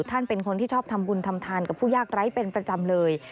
ท่านเป็นคนที่ชอบทำบุญทำทานกับผู้ยากไร้เป็นประจำเลย